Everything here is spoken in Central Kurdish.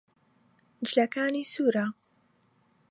جلەکانی سوورە.